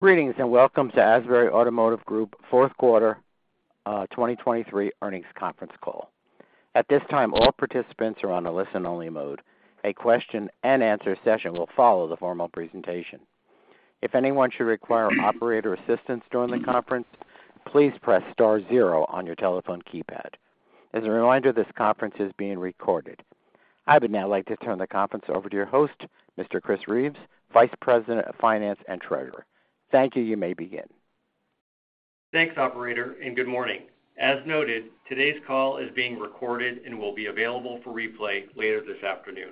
Greetings and welcome to Asbury Automotive Group fourth quarter, 2023 earnings conference call. At this time, all participants are on a listen-only mode. A question-and-answer session will follow the formal presentation. If anyone should require operator assistance during the conference, please press star zero on your telephone keypad. As a reminder, this conference is being recorded. I would now like to turn the conference over to your host, Mr. Chris Reeves, Vice President of Finance and Treasurer. Thank you. You may begin. Thanks, Operator, and good morning. As noted, today's call is being recorded and will be available for replay later this afternoon.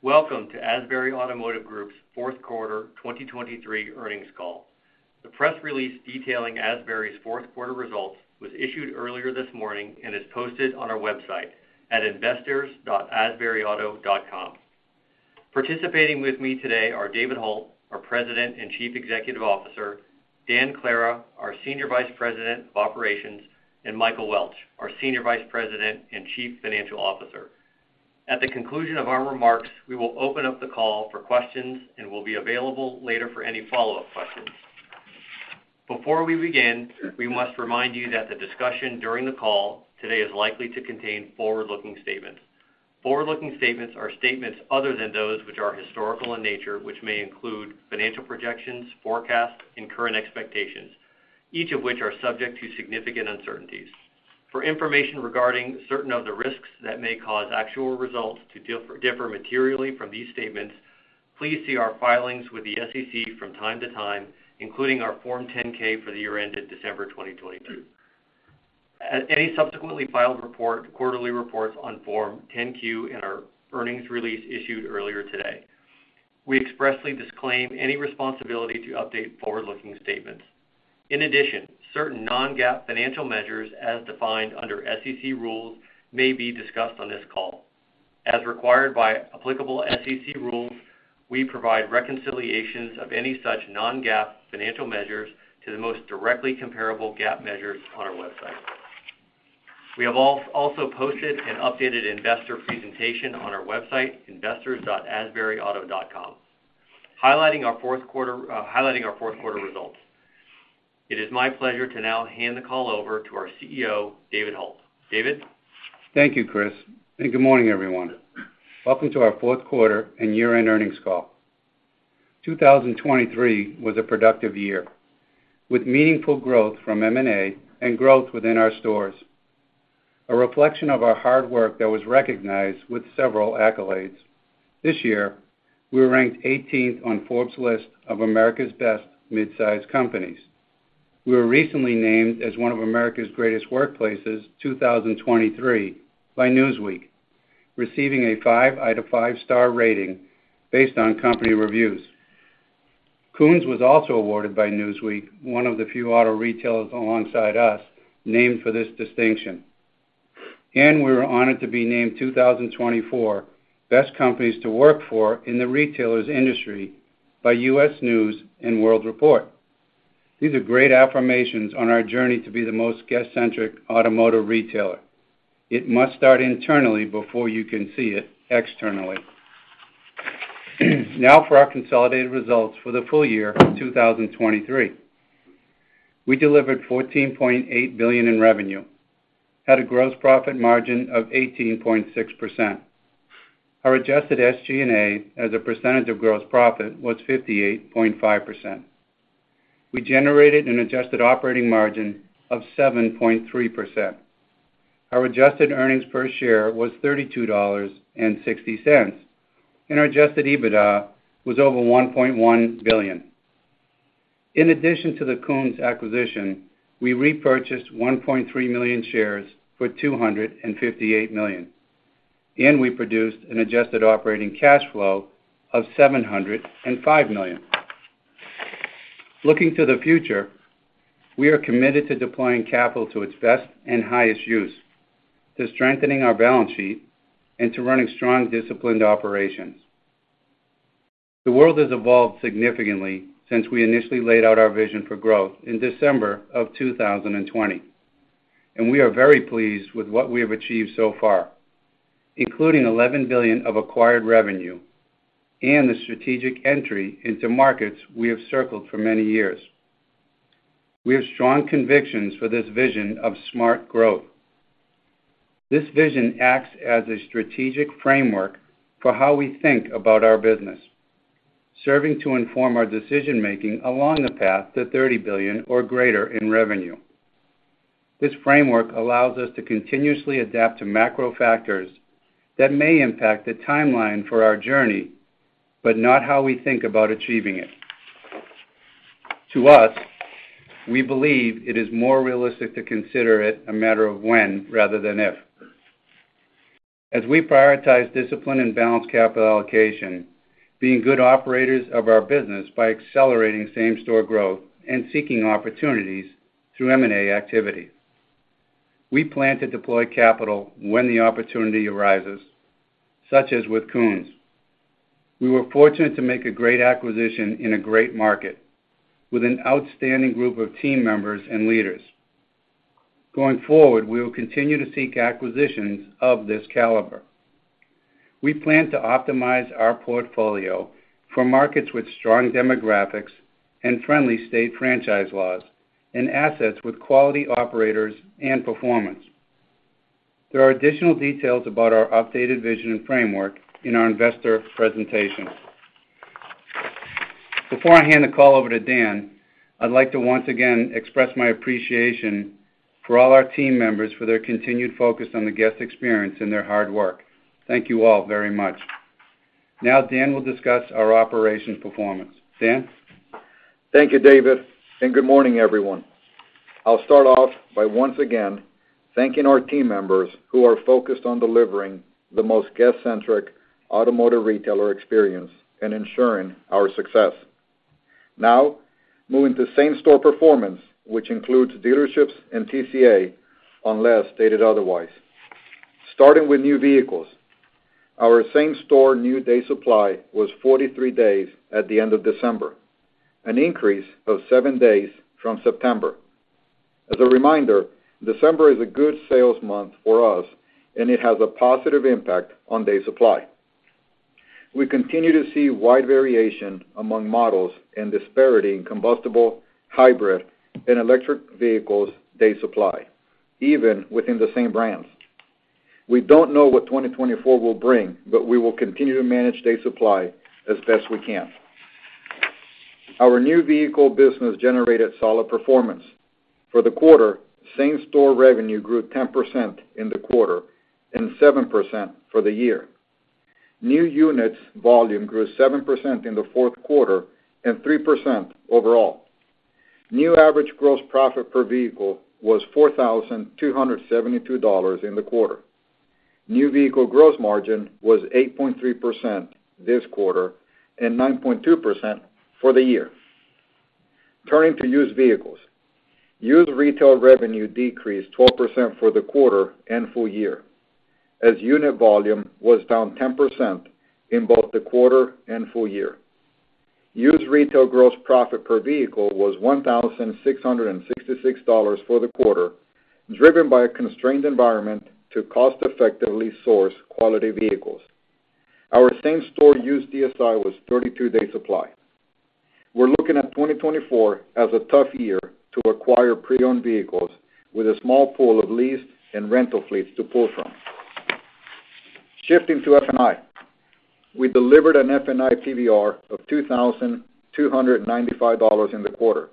Welcome to Asbury Automotive Group's fourth quarter 2023 earnings call. The press release detailing Asbury's fourth quarter results was issued earlier this morning and is posted on our website at investors.asburyauto.com. Participating with me today are David Hult, our President and Chief Executive Officer, Dan Clara, our Senior Vice President of Operations, and Michael Welch, our Senior Vice President and Chief Financial Officer. At the conclusion of our remarks, we will open up the call for questions and will be available later for any follow-up questions. Before we begin, we must remind you that the discussion during the call today is likely to contain forward-looking statements. Forward-looking statements are statements other than those which are historical in nature, which may include financial projections, forecasts, and current expectations, each of which are subject to significant uncertainties. For information regarding certain of the risks that may cause actual results to differ materially from these statements, please see our filings with the SEC from time to time, including our Form 10-K for the year ended December 2023, any subsequently filed report, quarterly reports on Form 10-Q, and our earnings release issued earlier today. We expressly disclaim any responsibility to update forward-looking statements. In addition, certain non-GAAP financial measures as defined under SEC rules may be discussed on this call. As required by applicable SEC rules, we provide reconciliations of any such non-GAAP financial measures to the most directly comparable GAAP measures on our website. We have all also posted an updated investor presentation on our website, investors.asburyauto.com, highlighting our fourth quarter results. It is my pleasure to now hand the call over to our CEO, David Hult. David? Thank you, Chris. Good morning, everyone. Welcome to our fourth quarter and year-end earnings call. 2023 was a productive year, with meaningful growth from M&A and growth within our stores, a reflection of our hard work that was recognized with several accolades. This year, we were ranked 18th on Forbes' list of America's Best Mid-Sized Companies. We were recently named as one of America's Greatest Workplaces 2023 by Newsweek, receiving a five out of five-star rating based on company reviews. Koons was also awarded by Newsweek, one of the few auto retailers alongside us named for this distinction. We were honored to be named 2024 Best Companies to Work For in the Retailers industry by U.S. News & World Report. These are great affirmations on our journey to be the most guest-centric automotive retailer. It must start internally before you can see it externally. Now for our consolidated results for the full year 2023. We delivered $14.8 billion in revenue, had a gross profit margin of 18.6%. Our adjusted SG&A, as a percentage of gross profit, was 58.5%. We generated an adjusted operating margin of 7.3%. Our adjusted earnings per share was $32.60, and our adjusted EBITDA was over $1.1+ billion. In addition to the Koons acquisition, we repurchased 1.3 million shares for $258 million, and we produced an adjusted operating cash flow of $705 million. Looking to the future, we are committed to deploying capital to its best and highest use, to strengthening our balance sheet, and to running strong, disciplined operations. The world has evolved significantly since we initially laid out our vision for growth in December of 2020, and we are very pleased with what we have achieved so far, including $11 billion of acquired revenue and the strategic entry into markets we have circled for many years. We have strong convictions for this vision of smart growth. This vision acts as a strategic framework for how we think about our business, serving to inform our decision-making along the path to $30 billion or greater in revenue. This framework allows us to continuously adapt to macro factors that may impact the timeline for our journey but not how we think about achieving it. To us, we believe it is more realistic to consider it a matter of when rather than if, as we prioritize discipline and balanced capital allocation, being good operators of our business by accelerating same-store growth, and seeking opportunities through M&A activity. We plan to deploy capital when the opportunity arises, such as with Koons. We were fortunate to make a great acquisition in a great market with an outstanding group of team members and leaders. Going forward, we will continue to seek acquisitions of this caliber. We plan to optimize our portfolio for markets with strong demographics and friendly state franchise laws and assets with quality operators and performance. There are additional details about our updated vision and framework in our investor presentation. Before I hand the call over to Dan, I'd like to once again express my appreciation for all our team members for their continued focus on the guest experience and their hard work. Thank you all very much. Now Dan will discuss our operations performance. Dan? Thank you, David, and good morning, everyone. I'll start off by once again thanking our team members who are focused on delivering the most guest-centric automotive retailer experience and ensuring our success. Now moving to same-store performance, which includes dealerships and TCA, unless stated otherwise. Starting with new vehicles, our same-store new day supply was 43 days at the end of December, an increase of 7 days from September. As a reminder, December is a good sales month for us, and it has a positive impact on day supply. We continue to see wide variation among models and disparity in combustion, hybrid, and electric vehicles day supply, even within the same brands. We don't know what 2024 will bring, but we will continue to manage day supply as best we can. Our new vehicle business generated solid performance. For the quarter, same-store revenue grew 10% in the quarter and 7% for the year. New units volume grew 7% in the fourth quarter and 3% overall. New average gross profit per vehicle was $4,272 in the quarter. New vehicle gross margin was 8.3% this quarter and 9.2% for the year. Turning to used vehicles, used retail revenue decreased 12% for the quarter and full year, as unit volume was down 10% in both the quarter and full year. Used retail gross profit per vehicle was $1,666 for the quarter, driven by a constrained environment to cost-effectively source quality vehicles. Our same-store used DSI was 32-day supply. We're looking at 2024 as a tough year to acquire pre-owned vehicles with a small pool of leased and rental fleets to pull from. Shifting to F&I, we delivered an F&I PVR of $2,295 in the quarter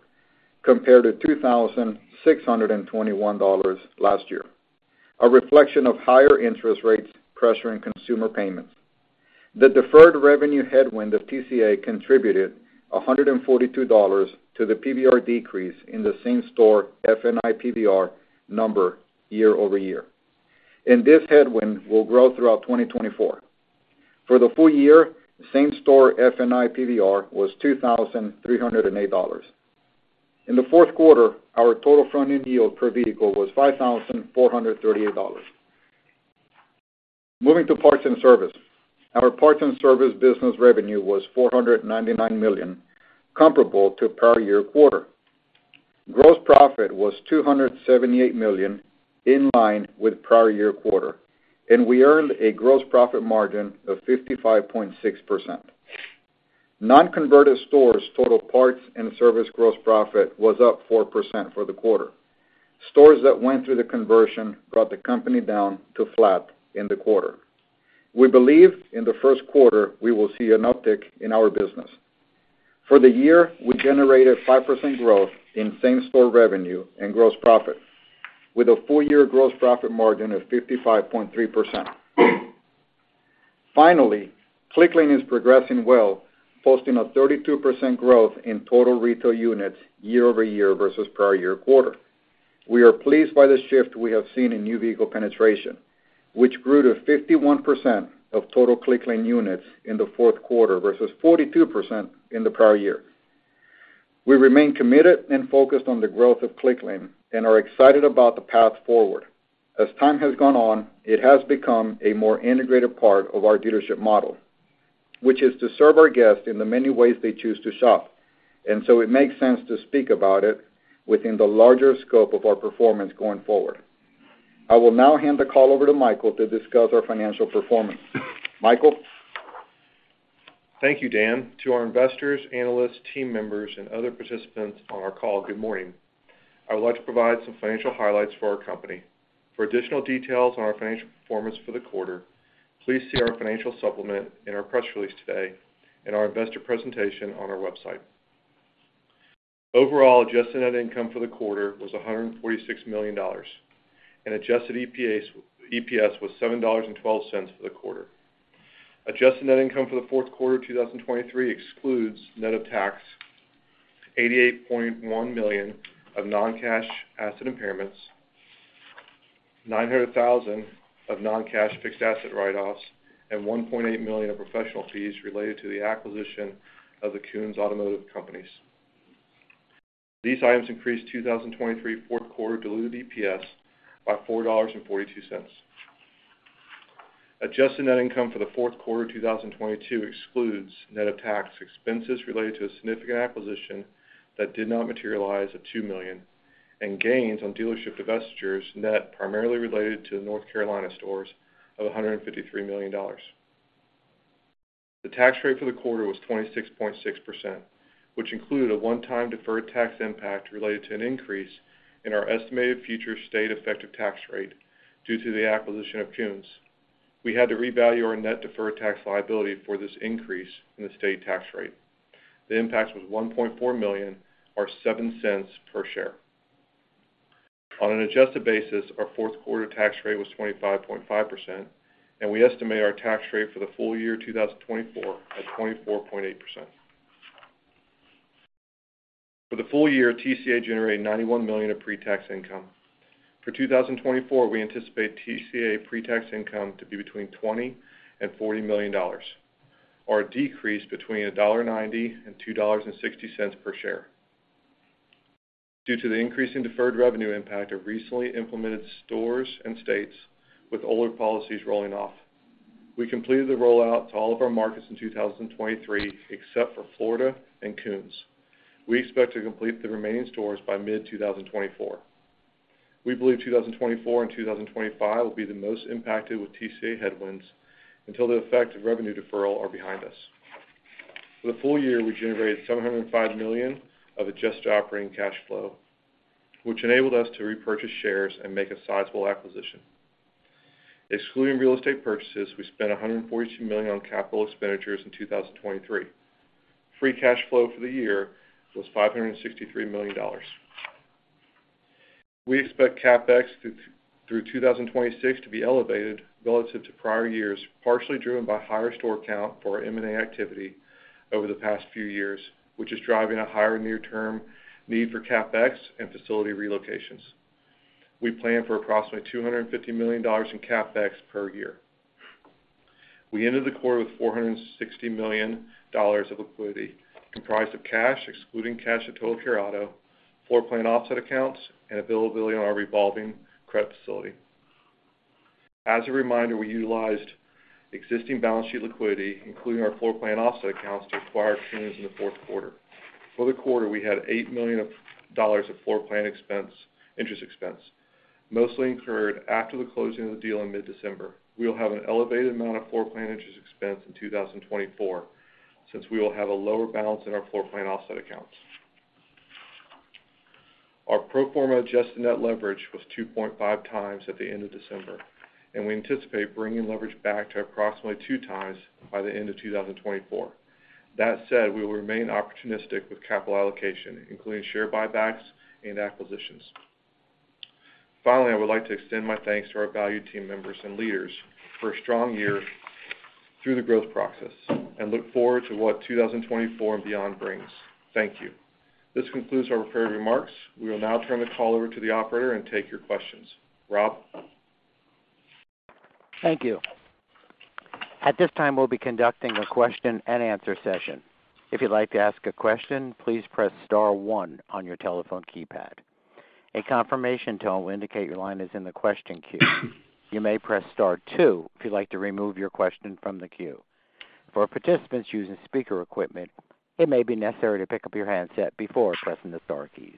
compared to $2,621 last year, a reflection of higher interest rates pressuring consumer payments. The deferred revenue headwind of TCA contributed $142 to the PVR decrease in the same-store F&I PVR number year over year. This headwind will grow throughout 2024. For the full year, same-store F&I PVR was $2,308. In the fourth quarter, our total front-end yield per vehicle was $5,438. Moving to parts and service, our parts and service business revenue was $499 million, comparable to prior year quarter. Gross profit was $278 million in line with prior year quarter, and we earned a gross profit margin of 55.6%. Non-converted stores' total parts and service gross profit was up 4% for the quarter. Stores that went through the conversion brought the company down to flat in the quarter. We believe in the first quarter we will see an uptick in our business. For the year, we generated 5% growth in same-store revenue and gross profit, with a full-year gross profit margin of 55.3%. Finally, Clicklane is progressing well, posting a 32% growth in total retail units year-over-year versus prior-year quarter. We are pleased by the shift we have seen in new vehicle penetration, which grew to 51% of total Clicklane units in the fourth quarter versus 42% in the prior year. We remain committed and focused on the growth of Clicklane and are excited about the path forward. As time has gone on, it has become a more integrated part of our dealership model, which is to serve our guests in the many ways they choose to shop, and so it makes sense to speak about it within the larger scope of our performance going forward. I will now hand the call over to Michael to discuss our financial performance. Michael? Thank you, Dan. To our investors, analysts, team members, and other participants on our call, good morning. I would like to provide some financial highlights for our company. For additional details on our financial performance for the quarter, please see our financial supplement in our press release today and our investor presentation on our website. Overall, adjusted net income for the quarter was $146 million, and adjusted EPS was $7.12 for the quarter. Adjusted net income for the fourth quarter of 2023 excludes, net of tax, $88.1 million of non-cash asset impairments, $900,000 of non-cash fixed asset write-offs, and $1.8 million of professional fees related to the acquisition of the Koons Automotive Companies. These items increased 2023 fourth quarter diluted EPS by $4.42. Adjusted net income for the fourth quarter of 2022 excludes net of tax expenses related to a significant acquisition that did not materialize of $2 million, and gains on dealership divestitures net primarily related to the North Carolina stores of $153 million. The tax rate for the quarter was 26.6%, which included a one-time deferred tax impact related to an increase in our estimated future state effective tax rate due to the acquisition of Koons. We had to revalue our net deferred tax liability for this increase in the state tax rate. The impact was $1.4 million or $0.07 per share. On an adjusted basis, our fourth quarter tax rate was 25.5%, and we estimate our tax rate for the full year 2024 at 24.8%. For the full year, TCA generated $91 million of pre-tax income. For 2024, we anticipate TCA pre-tax income to be between $20 million-$40 million, or a decrease between $1.90-$2.60 per share due to the increasing deferred revenue impact of recently implemented stores and states with older policies rolling off. We completed the rollout to all of our markets in 2023 except for Florida and Koons. We expect to complete the remaining stores by mid-2024. We believe 2024 and 2025 will be the most impacted with TCA headwinds until the effect of revenue deferral are behind us. For the full year, we generated $705 million of adjusted operating cash flow, which enabled us to repurchase shares and make a sizable acquisition. Excluding real estate purchases, we spent $142 million on capital expenditures in 2023. Free cash flow for the year was $563 million. We expect CapEx through 2026 to be elevated relative to prior years, partially driven by higher store count for M&A activity over the past few years, which is driving a higher near-term need for CapEx and facility relocations. We plan for approximately $250 million in CapEx per year. We ended the quarter with $460 million of liquidity comprised of cash excluding cash at Total Care Auto, floor plan offset accounts, and availability on our revolving credit facility. As a reminder, we utilized existing balance sheet liquidity, including our floor plan offset accounts, to acquire Koons in the fourth quarter. For the quarter, we had $8 million of floor plan interest expense, mostly incurred after the closing of the deal in mid-December. We will have an elevated amount of floor plan interest expense in 2024 since we will have a lower balance in our floor plan offset accounts. Our pro forma adjusted net leverage was 2.5x at the end of December, and we anticipate bringing leverage back to approximately 2x by the end of 2024. That said, we will remain opportunistic with capital allocation, including share buybacks and acquisitions. Finally, I would like to extend my thanks to our valued team members and leaders for a strong year through the growth process and look forward to what 2024 and beyond brings. Thank you. This concludes our prepared remarks. We will now turn the call over to the operator and take your questions. Rob? Thank you. At this time, we'll be conducting a question-and-answer session. If you'd like to ask a question, please press star one on your telephone keypad. A confirmation tone will indicate your line is in the question queue. You may press star two if you'd like to remove your question from the queue. For participants using speaker equipment, it may be necessary to pick up your handset before pressing the star keys.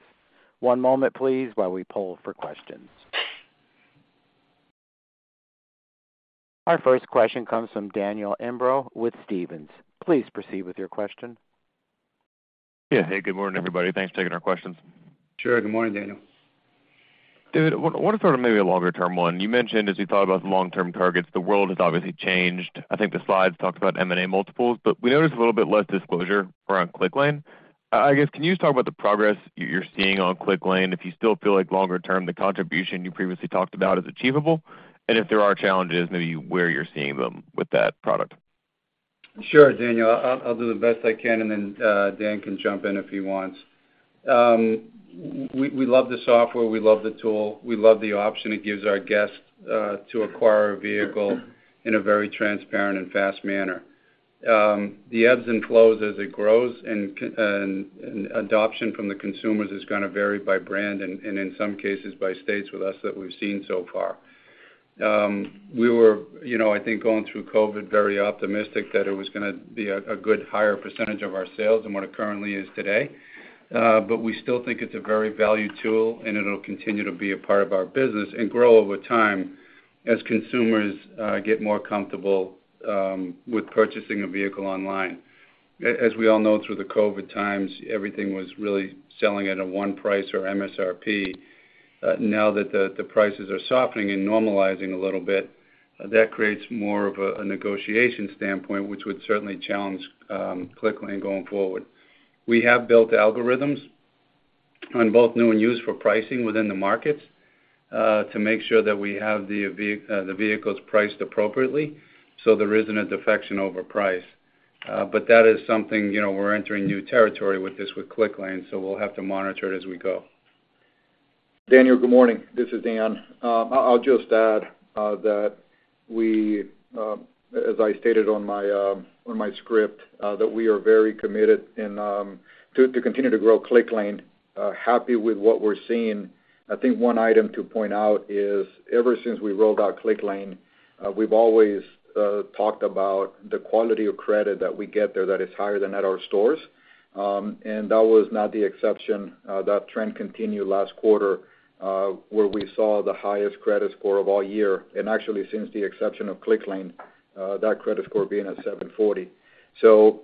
One moment, please, while we pull for questions. Our first question comes from Daniel Imbro with Stephens. Please proceed with your question. Yeah. Hey, good morning, everybody. Thanks for taking our questions. Sure. Good morning, Daniel. David, what if we're on maybe a longer-term one? You mentioned, as we thought about the long-term targets, the world has obviously changed. I think the slides talked about M&A multiples, but we noticed a little bit less disclosure around Clicklane. I guess, can you just talk about the progress you're seeing on Clicklane? If you still feel like longer-term the contribution you previously talked about is achievable, and if there are challenges, maybe where you're seeing them with that product. Sure, Daniel. I'll do the best I can, and then Dan can jump in if he wants. We love the software. We love the tool. We love the option it gives our guests to acquire a vehicle in a very transparent and fast manner. The ebbs and flows as it grows and adoption from the consumers is going to vary by brand and, in some cases, by states with us that we've seen so far. We were, I think, going through COVID very optimistic that it was going to be a good higher percentage of our sales than what it currently is today. But we still think it's a very valued tool, and it'll continue to be a part of our business and grow over time as consumers get more comfortable with purchasing a vehicle online. As we all know through the COVID times, everything was really selling at a one price or MSRP. Now that the prices are softening and normalizing a little bit, that creates more of a negotiation standpoint, which would certainly challenge Clicklane going forward. We have built algorithms on both new and used for pricing within the markets to make sure that we have the vehicles priced appropriately so there isn't a defection over price. But that is something we're entering new territory with this with Clicklane, so we'll have to monitor it as we go. Daniel, good morning. This is Dan. I'll just add that we, as I stated on my script, that we are very committed to continue to grow Clicklane, happy with what we're seeing. I think one item to point out is, ever since we rolled out Clicklane, we've always talked about the quality of credit that we get there that is higher than at our stores. And that was not the exception. That trend continued last quarter where we saw the highest credit score of all year, and actually, since the exception of Clicklane, that credit score being at 740. So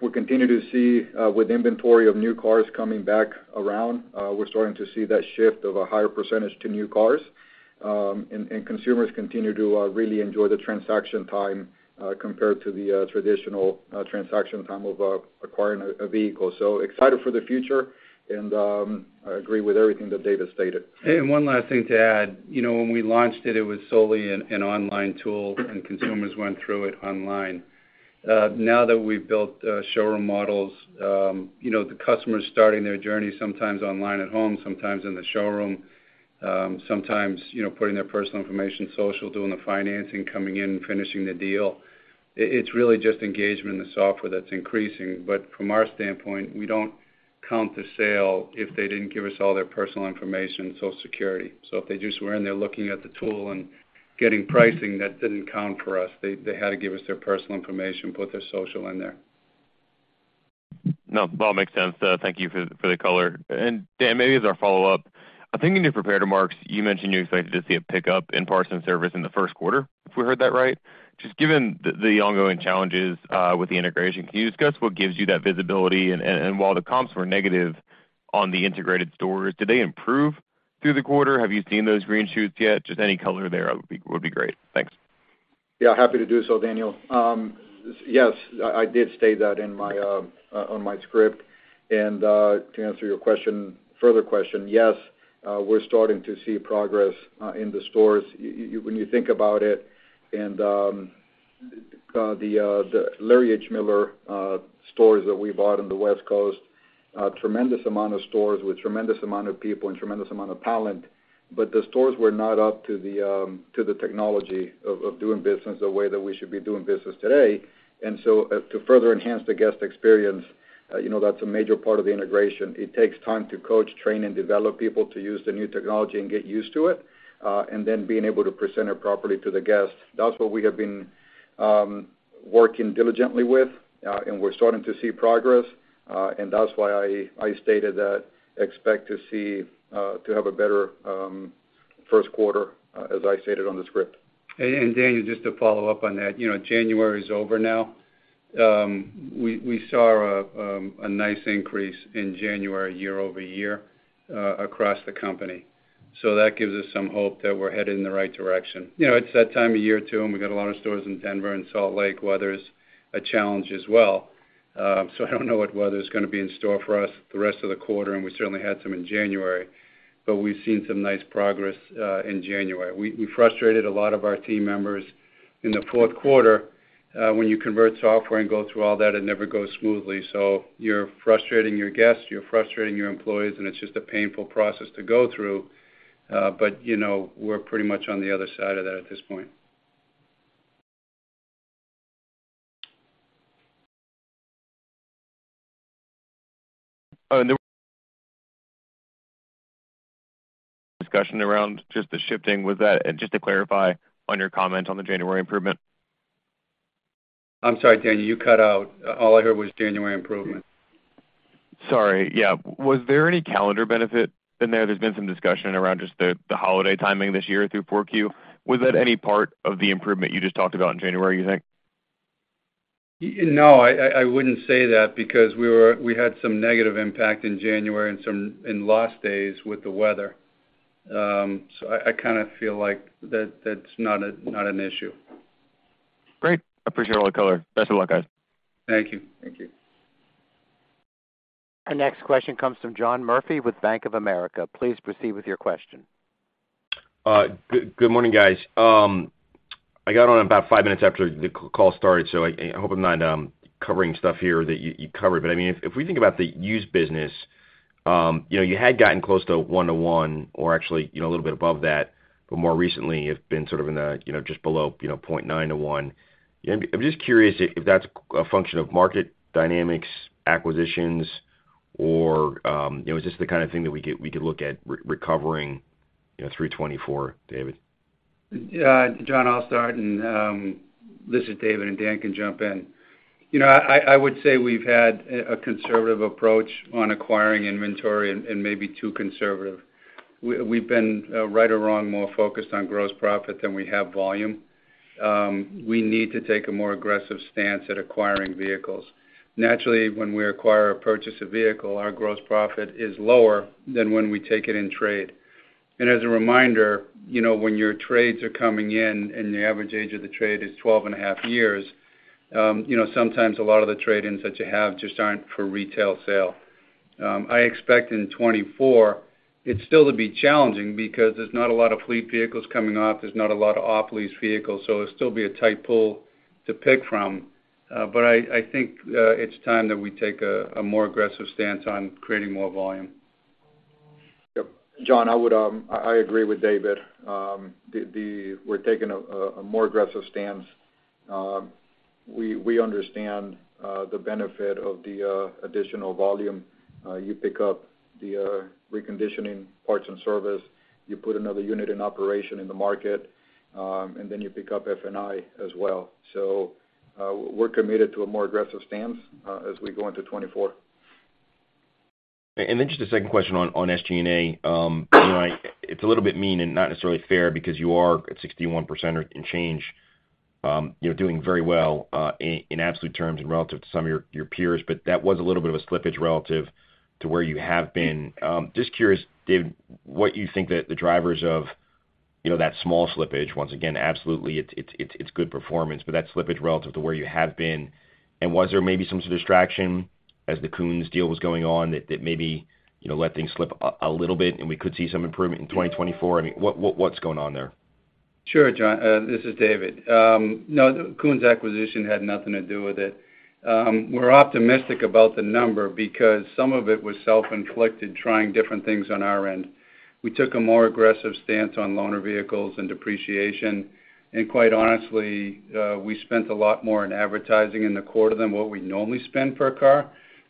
we continue to see, with inventory of new cars coming back around, we're starting to see that shift of a higher percentage to new cars. And consumers continue to really enjoy the transaction time compared to the traditional transaction time of acquiring a vehicle. So excited for the future, and I agree with everything that David stated. One last thing to add. When we launched it, it was solely an online tool, and consumers went through it online. Now that we've built showroom models, the customer's starting their journey sometimes online at home, sometimes in the showroom, sometimes putting their personal information social, doing the financing, coming in, finishing the deal. It's really just engagement in the software that's increasing. But from our standpoint, we don't count the sale if they didn't give us all their personal information, social security. So if they just were in there looking at the tool and getting pricing, that didn't count for us. They had to give us their personal information, put their social in there. No. That all makes sense. Thank you for the color. Dan, maybe as our follow-up, I think in your prepared remarks, you mentioned you were expecting to see a pickup in parts and service in the first quarter, if we heard that right. Just given the ongoing challenges with the integration, can you discuss what gives you that visibility? And while the comps were negative on the integrated stores, did they improve through the quarter? Have you seen those green shoots yet? Just any color there would be great. Thanks. Yeah. Happy to do so, Daniel. Yes. I did state that on my script. And to answer your further question, yes, we're starting to see progress in the stores. When you think about it and the Larry H. Miller stores that we bought on the West Coast, tremendous amount of stores with tremendous amount of people and tremendous amount of talent. But the stores were not up to the technology of doing business the way that we should be doing business today. And so to further enhance the guest experience, that's a major part of the integration. It takes time to coach, train, and develop people to use the new technology and get used to it, and then being able to present it properly to the guest. That's what we have been working diligently with, and we're starting to see progress. That's why I stated that I expect to have a better first quarter, as I stated on the script. Daniel, just to follow up on that, January is over now. We saw a nice increase in January year over year across the company. So that gives us some hope that we're headed in the right direction. It's that time of year too, and we've got a lot of stores in Denver and Salt Lake, where there's a challenge as well. So I don't know what weather's going to be in store for us the rest of the quarter, and we certainly had some in January. But we've seen some nice progress in January. We frustrated a lot of our team members in the fourth quarter. When you convert software and go through all that, it never goes smoothly. So you're frustrating your guests. You're frustrating your employees, and it's just a painful process to go through. But we're pretty much on the other side of that at this point. There was discussion around just the shifting. Was that and just to clarify on your comment on the January improvement? I'm sorry, Daniel. You cut out. All I heard was January improvement. Sorry. Yeah. Was there any calendar benefit in there? There's been some discussion around just the holiday timing this year through fourth quarter. Was that any part of the improvement you just talked about in January, you think? No. I wouldn't say that because we had some negative impact in January and lost days with the weather. So I kind of feel like that's not an issue. Great. I appreciate all the color. Best of luck, guys. Thank you. Thank you. Our next question comes from John Murphy with Bank of America. Please proceed with your question. Good morning, guys. I got on about 5 minutes after the call started, so I hope I'm not covering stuff here that you covered. But I mean, if we think about the used business, you had gotten close to 1 to 1 or actually a little bit above that, but more recently, you've been sort of in the just below 0.9-1. I'm just curious if that's a function of market dynamics, acquisitions, or is this the kind of thing that we could look at recovering through 2024, David? John, I'll start, and this is David, and Dan can jump in. I would say we've had a conservative approach on acquiring inventory and maybe too conservative. We've been, right or wrong, more focused on gross profit than we have volume. We need to take a more aggressive stance at acquiring vehicles. Naturally, when we acquire or purchase a vehicle, our gross profit is lower than when we take it in trade. As a reminder, when your trades are coming in and the average age of the trade is 12.5 years, sometimes a lot of the trade-ins that you have just aren't for retail sale. I expect in 2024, it's still to be challenging because there's not a lot of fleet vehicles coming off. There's not a lot of off-lease vehicles, so there'll still be a tight pool to pick from. But I think it's time that we take a more aggressive stance on creating more volume. Yep. John, I agree with David. We're taking a more aggressive stance. We understand the benefit of the additional volume. You pick up the reconditioning parts and service. You put another unit in operation in the market, and then you pick up F&I as well. So we're committed to a more aggressive stance as we go into 2024. Then just a second question on SG&A. It's a little bit mean and not necessarily fair because you are at 61% and change doing very well in absolute terms and relative to some of your peers, but that was a little bit of a slippage relative to where you have been. Just curious, David, what you think that the drivers of that small slippage once again, absolutely, it's good performance, but that slippage relative to where you have been. And was there maybe some sort of distraction as the Koons deal was going on that maybe let things slip a little bit and we could see some improvement in 2024? I mean, what's going on there? Sure, John. This is David. No, Koons acquisition had nothing to do with it. We're optimistic about the number because some of it was self-inflicted, trying different things on our end. We took a more aggressive stance on loaner vehicles and depreciation. And quite honestly, we spent a lot more in advertising in the quarter than what we normally spend per car.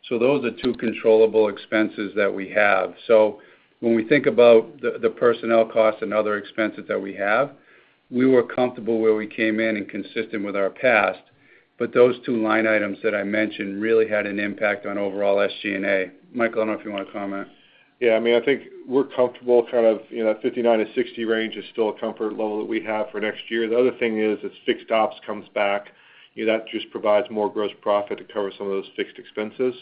So those are two controllable expenses that we have. So when we think about the personnel costs and other expenses that we have, we were comfortable where we came in and consistent with our past. But those two line items that I mentioned really had an impact on overall SG&A. Michael, I don't know if you want to comment. Yeah. I mean, I think we're comfortable kind of 59-60 range is still a comfort level that we have for next year. The other thing is, as fixed ops comes back, that just provides more gross profit to cover some of those fixed expenses.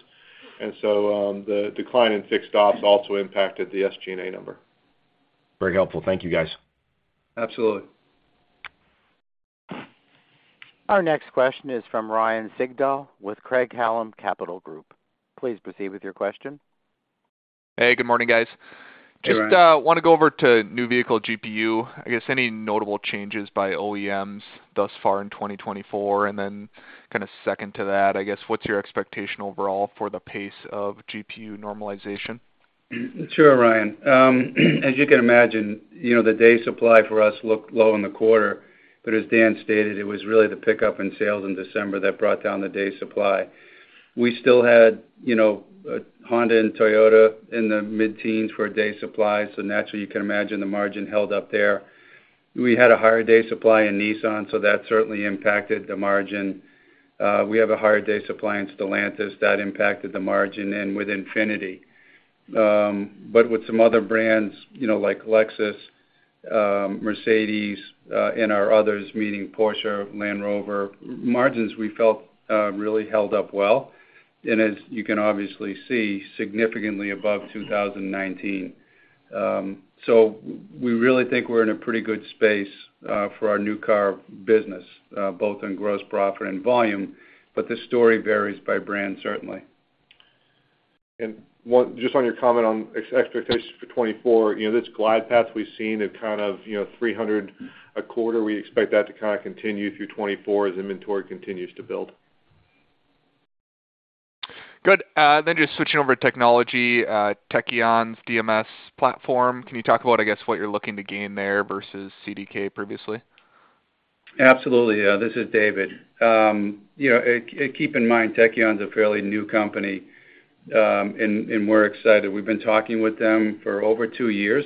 And so the decline in fixed ops also impacted the SG&A number. Very helpful. Thank you, guys. Absolutely. Our next question is from Ryan Sigdahl with Craig-Hallum Capital Group. Please proceed with your question. Hey. Good morning, guys. Just want to go over to new vehicle GPU. I guess any notable changes by OEMs thus far in 2024? And then kind of second to that, I guess, what's your expectation overall for the pace of GPU normalization? Sure, Ryan. As you can imagine, the day supply for us looked low in the quarter. But as Dan stated, it was really the pickup in sales in December that brought down the day supply. We still had Honda and Toyota in the mid-teens for day supply, so naturally, you can imagine the margin held up there. We had a higher day supply in Nissan, so that certainly impacted the margin. We have a higher day supply in Stellantis. That impacted the margin and with Infiniti. But with some other brands like Lexus, Mercedes, and our others, meaning Porsche, Land Rover, margins we felt really held up well and, as you can obviously see, significantly above 2019. So we really think we're in a pretty good space for our new car business, both in gross profit and volume. But the story varies by brand, certainly. Just on your comment on expectations for 2024, this glide path we've seen of kind of 300 a quarter, we expect that to kind of continue through 2024 as inventory continues to build. Good. Then just switching over to technology, Tekion's DMS platform. Can you talk about, I guess, what you're looking to gain there versus CDK previously? Absolutely. Yeah. This is David. Keep in mind, Tekion's a fairly new company, and we're excited. We've been talking with them for over two years,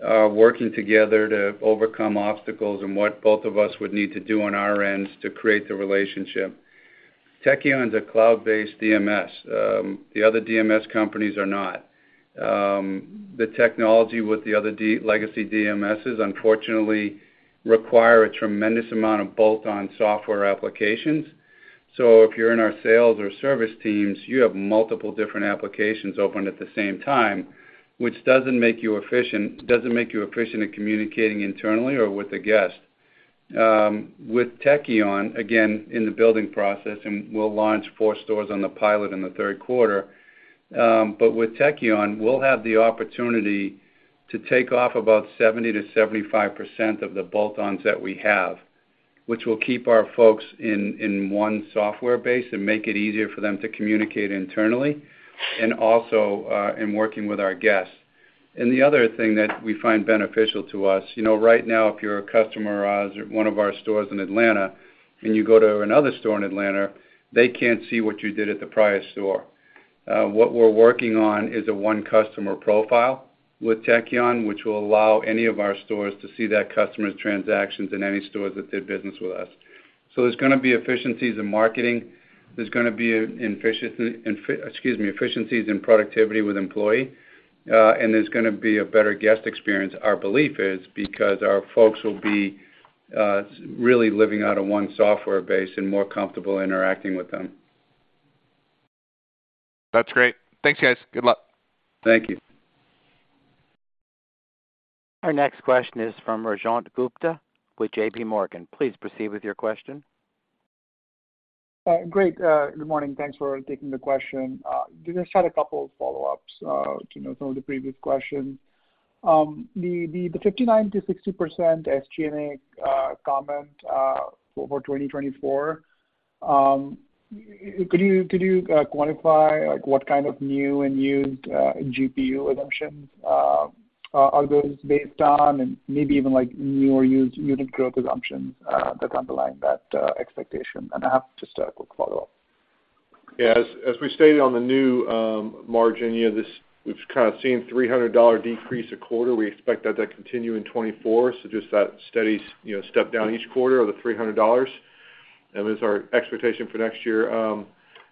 working together to overcome obstacles and what both of us would need to do on our ends to create the relationship. Tekion's a cloud-based DMS. The other DMS companies are not. The technology with the other legacy DMSs, unfortunately, requires a tremendous amount of bolt-on software applications. So if you're in our sales or service teams, you have multiple different applications open at the same time, which doesn't make you efficient at communicating internally or with the guest. With Tekion, again, in the building process, and we'll launch 4 stores on the pilot in the third quarter. But with Tekion, we'll have the opportunity to take off about 70%-75% of the bolt-ons that we have, which will keep our folks in one software base and make it easier for them to communicate internally and also in working with our guests. And the other thing that we find beneficial to us, right now, if you're a customer of one of our stores in Atlanta and you go to another store in Atlanta, they can't see what you did at the prior store. What we're working on is a one-customer profile with Tekion, which will allow any of our stores to see that customer's transactions in any stores that did business with us. So there's going to be efficiencies in marketing. There's going to be, excuse me, efficiencies in productivity with employees, and there's going to be a better guest experience, our belief is, because our folks will be really living out of one software base and more comfortable interacting with them. That's great. Thanks, guys. Good luck. Thank you. Our next question is from Rajat Gupta with JPMorgan. Please proceed with your question. Great. Good morning. Thanks for taking the question. Just had a couple of follow-ups to some of the previous questions. The 59%-60% SG&A comment for 2024, could you quantify what kind of new and used GPU assumptions are those based on, and maybe even new or used unit growth assumptions that's underlying that expectation? I have just a quick follow-up. Yeah. As we stated on the new margin, we've kind of seen a $300 decrease a quarter. We expect that to continue in 2024, so just that steady step down each quarter of the $300 is our expectation for next year.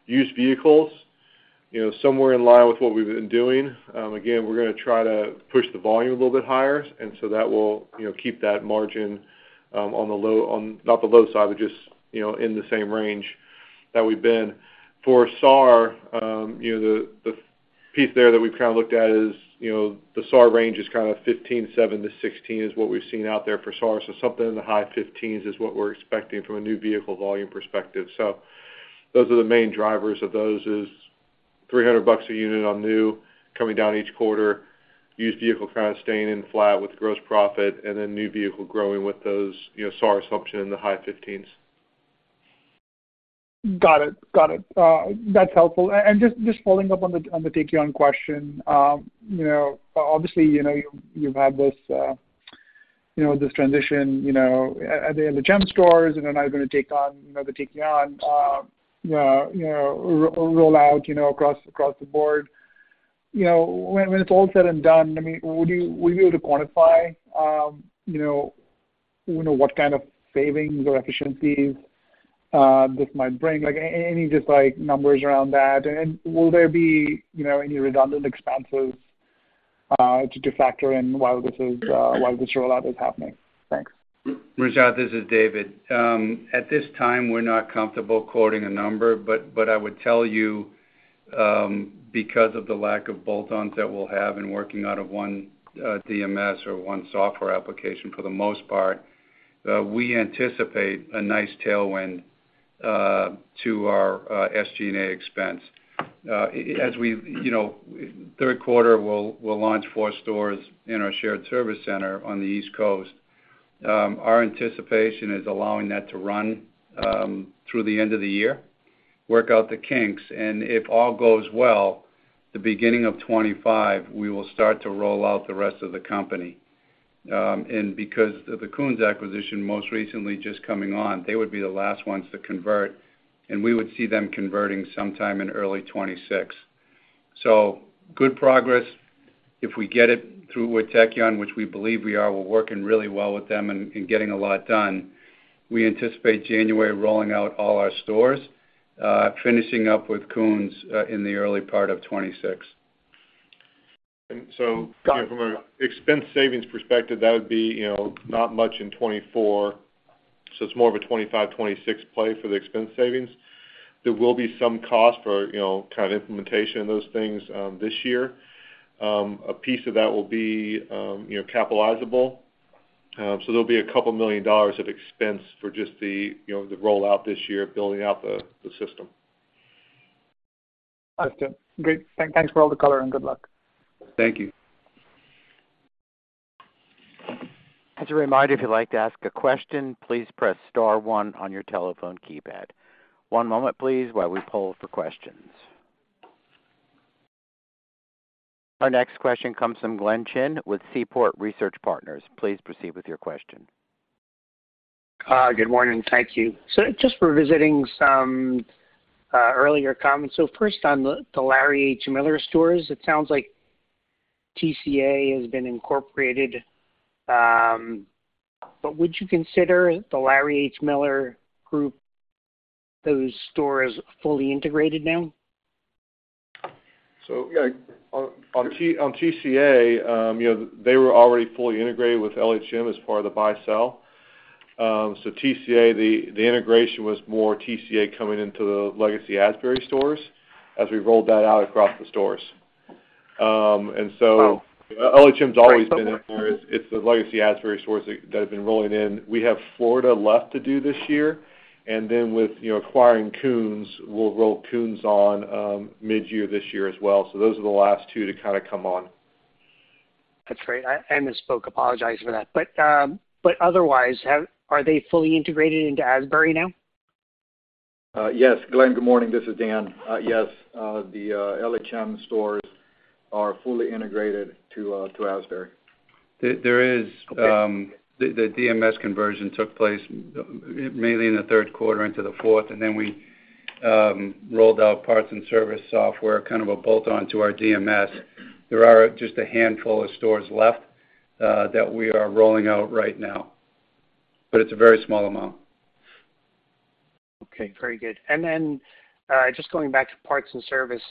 Used vehicles, somewhere in line with what we've been doing. Again, we're going to try to push the volume a little bit higher, and so that will keep that margin on the low not the low side, but just in the same range that we've been. For SAR, the piece there that we've kind of looked at is the SAR range is kind of 15.7-16 is what we've seen out there for SAR. So something in the high 15s is what we're expecting from a new vehicle volume perspective. Those are the main drivers of those: $300 a unit on new coming down each quarter, used vehicle kind of staying in flat with gross profit, and then new vehicle growing with those SAR assumption in the high 15s. Got it. Got it. That's helpful. And just following up on the Tekion question, obviously, you've had this transition at the LHM stores, and they're now going to take on the Tekion rollout across the board. When it's all said and done, I mean, would you be able to quantify what kind of savings or efficiencies this might bring, any just numbers around that? And will there be any redundant expenses to factor in while this rollout is happening? Thanks. Rajat, this is David. At this time, we're not comfortable quoting a number, but I would tell you, because of the lack of bolt-ons that we'll have in working out of one DMS or one software application for the most part, we anticipate a nice tailwind to our SG&A expense. As we third quarter, we'll launch 4 stores in our shared service center on the East Coast. Our anticipation is allowing that to run through the end of the year, work out the kinks, and if all goes well, the beginning of 2025, we will start to roll out the rest of the company. And because of the Koons acquisition most recently just coming on, they would be the last ones to convert, and we would see them converting sometime in early 2026. So good progress. If we get it through with Tekion, which we believe we are, we're working really well with them and getting a lot done. We anticipate January rolling out all our stores, finishing up with Koons in the early part of 2026. From an expense savings perspective, that would be not much in 2024. It's more of a 2025, 2026 play for the expense savings. There will be some cost for kind of implementation of those things this year. A piece of that will be capitalizable. There'll be $2 million of expense for just the rollout this year, building out the system. All right, John. Great. Thanks for all the color, and good luck. Thank you. As a reminder, if you'd like to ask a question, please press star one on your telephone keypad. One moment, please, while we pull for questions. Our next question comes from Glenn Chin with Seaport Research Partners. Please proceed with your question. Good morning. Thank you. So just revisiting some earlier comments. So first, on the Larry H. Miller stores, it sounds like TCA has been incorporated. But would you consider the Larry H. Miller Group, those stores, fully integrated now? So yeah. On TCA, they were already fully integrated with LHM as part of the buy-sell. So TCA, the integration was more TCA coming into the legacy Asbury stores as we rolled that out across the stores. And so LHM's always been in there. It's the legacy Asbury stores that have been rolling in. We have Florida left to do this year. And then with acquiring Koons, we'll roll Koons on mid-year this year as well. So those are the last two to kind of come on. That's great. I misspoke. Apologize for that. But otherwise, are they fully integrated into Asbury now? Yes. Glenn, good morning. This is Dan. Yes. The LHM stores are fully integrated to Asbury. There is. The DMS conversion took place mainly in the third quarter into the fourth, and then we rolled out parts and service software, kind of a bolt-on to our DMS. There are just a handful of stores left that we are rolling out right now, but it's a very small amount. Okay. Very good. And then just going back to parts and service,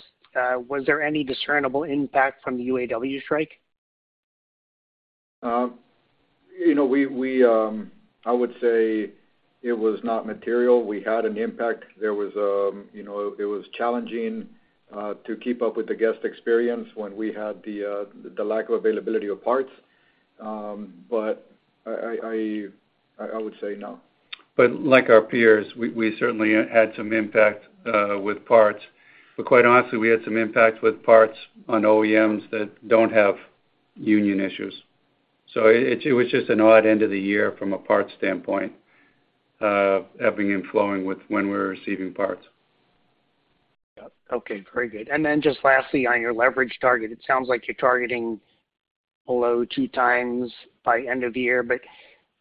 was there any discernible impact from the UAW strike? I would say it was not material. We had an impact. It was challenging to keep up with the guest experience when we had the lack of availability of parts. But I would say no. But like our peers, we certainly had some impact with parts. But quite honestly, we had some impact with parts on OEMs that don't have union issues. So it was just an odd end of the year from a parts standpoint, having issues with when we were receiving parts. Yeah. Okay. Very good. And then just lastly, on your leverage target, it sounds like you're targeting below 2x by end of year. But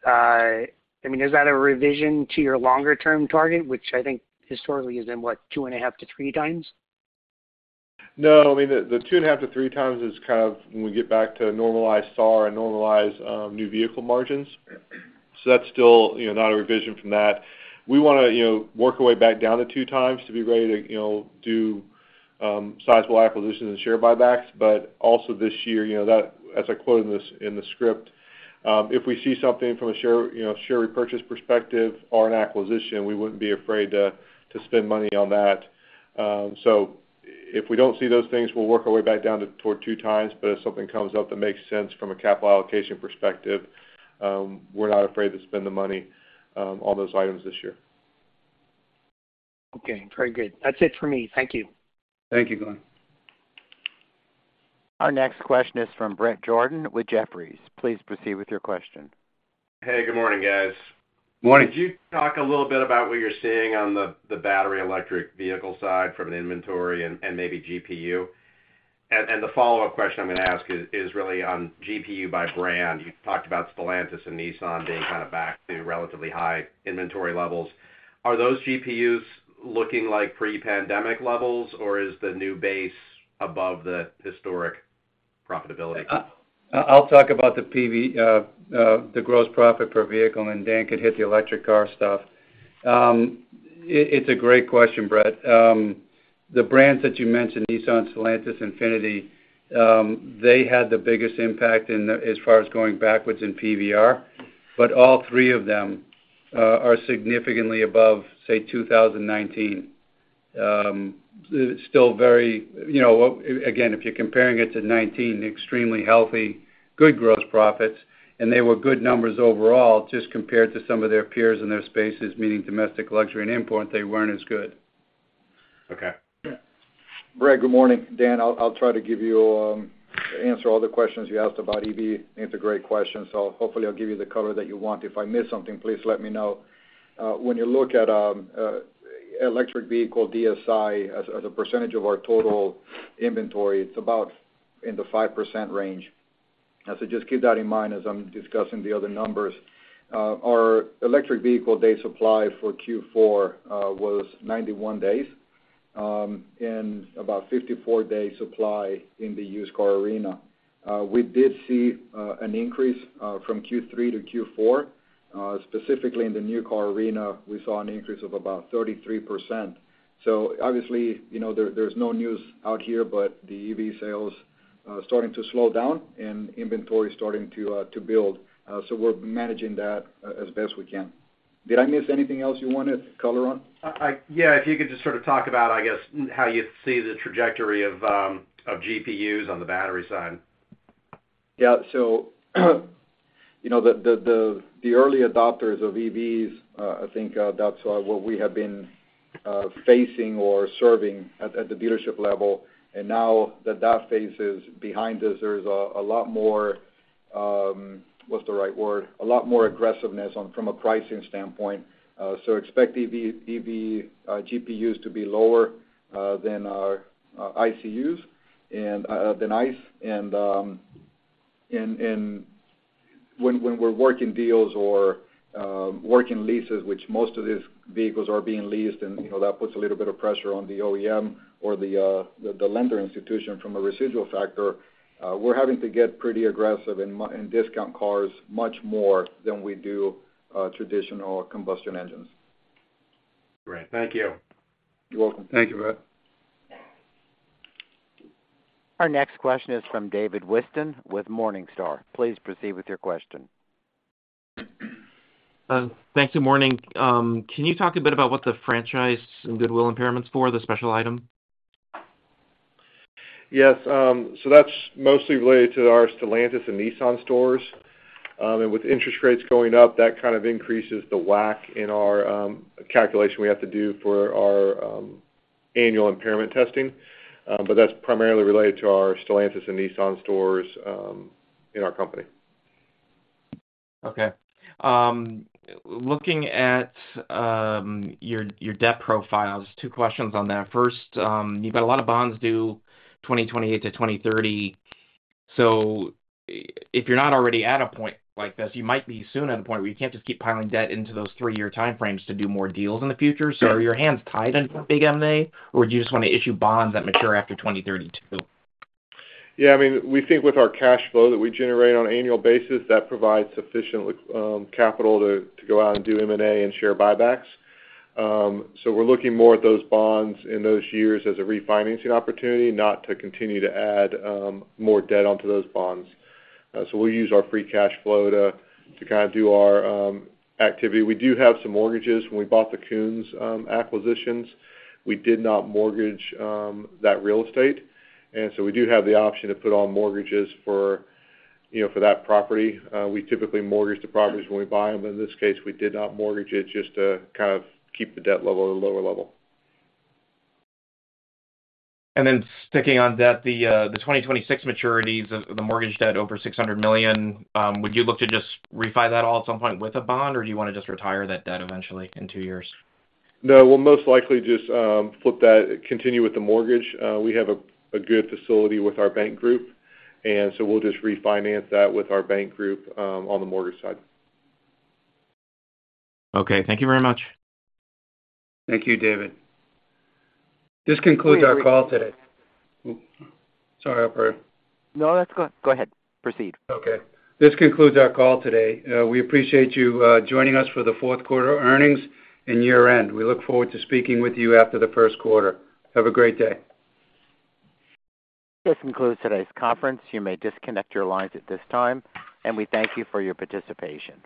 I mean, is that a revision to your longer-term target, which I think historically is in, what, 2.5x-3x? No. I mean, the 2.5x-3x is kind of when we get back to normalize SAR and normalize new vehicle margins. So that's still not a revision from that. We want to work our way back down to 2x to be ready to do sizable acquisitions and share buybacks. But also this year, as I quote in the script, "If we see something from a share repurchase perspective or an acquisition, we wouldn't be afraid to spend money on that." So if we don't see those things, we'll work our way back down toward 2x. But if something comes up that makes sense from a capital allocation perspective, we're not afraid to spend the money on those items this year. Okay. Very good. That's it for me. Thank you. Thank you, Glenn. Our next question is from Bret Jordan with Jefferies. Please proceed with your question. Hey. Good morning, guys. Morning. Could you talk a little bit about what you're seeing on the battery electric vehicle side from an inventory and maybe GPU? And the follow-up question I'm going to ask is really on GPU by brand. You talked about Stellantis and Nissan being kind of back to relatively high inventory levels. Are those GPUs looking like pre-pandemic levels, or is the new base above the historic profitability? I'll talk about the gross profit per vehicle, and then Dan could hit the electric car stuff. It's a great question, Bret. The brands that you mentioned, Nissan, Stellantis, Infiniti, they had the biggest impact as far as going backwards in PVR. But all three of them are significantly above, say, 2019. Still very again, if you're comparing it to 2019, extremely healthy, good gross profits, and they were good numbers overall just compared to some of their peers in their spaces, meaning domestic luxury and import, they weren't as good. Okay. Bret, good morning. Dan, I'll try to give you answer all the questions you asked about EV. These are great questions, so hopefully, I'll give you the color that you want. If I miss something, please let me know. When you look at electric vehicle DSI as a percentage of our total inventory, it's about in the 5% range. So just keep that in mind as I'm discussing the other numbers. Our electric vehicle day supply for Q4 was 91 days and about 54-day supply in the used car arena. We did see an increase from Q3 to Q4. Specifically, in the new car arena, we saw an increase of about 33%. So obviously, there's no news out here, but the EV sales starting to slow down and inventory starting to build. So we're managing that as best we can. Did I miss anything else you wanted color on? Yeah. If you could just sort of talk about, I guess, how you see the trajectory of GPUs on the battery side. Yeah. So the early adopters of EVs, I think that's what we have been facing or serving at the dealership level. And now that that phase is behind us, there's a lot more - what's the right word? - a lot more aggressiveness from a pricing standpoint. So expect EV GPUs to be lower than ICEs and than ICE. And when we're working deals or working leases, which most of these vehicles are being leased, and that puts a little bit of pressure on the OEM or the lending institution from a residual factor, we're having to get pretty aggressive in discounting cars much more than we do traditional combustion engines. Great. Thank you. You're welcome. Thank you, Bret. Our next question is from David Whiston with Morningstar. Please proceed with your question. Thanks. Good morning. Can you talk a bit about what the franchise and goodwill impairments for, the special item? Yes. So that's mostly related to our Stellantis and Nissan stores. And with interest rates going up, that kind of increases the WACC in our calculation we have to do for our annual impairment testing. But that's primarily related to our Stellantis and Nissan stores in our company. Okay. Looking at your debt profile, just two questions on that. First, you've got a lot of bonds due 2028 to 2030. So if you're not already at a point like this, you might be soon at a point where you can't just keep piling debt into those three-year timeframes to do more deals in the future. So are your hands tied under big M&A, or would you just want to issue bonds that mature after 2032? Yeah. I mean, we think with our cash flow that we generate on annual basis, that provides sufficient capital to go out and do M&A and share buybacks. So we're looking more at those bonds in those years as a refinancing opportunity, not to continue to add more debt onto those bonds. So we'll use our free cash flow to kind of do our activity. We do have some mortgages. When we bought the Koons acquisitions, we did not mortgage that real estate. And so we do have the option to put on mortgages for that property. We typically mortgage the properties when we buy them. But in this case, we did not mortgage it just to kind of keep the debt level at a lower level. Then sticking on debt, the 2026 maturities, the mortgage debt over $600 million, would you look to just refinance that at all at some point with a bond, or do you want to just retire that debt eventually in two years? No. We'll most likely just continue with the mortgage. We have a good facility with our bank group, and so we'll just refinance that with our bank group on the mortgage side. Okay. Thank you very much. Thank you, David. This concludes our call today. Sorry. I'll put. No, that's good. Go ahead. Proceed. Okay. This concludes our call today. We appreciate you joining us for the fourth quarter earnings and year-end. We look forward to speaking with you after the first quarter. Have a great day. This concludes today's conference. You may disconnect your lines at this time, and we thank you for your participation.